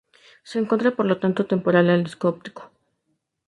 Se encuentra por lo tanto temporal al disco óptico.